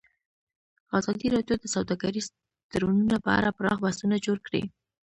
ازادي راډیو د سوداګریز تړونونه په اړه پراخ بحثونه جوړ کړي.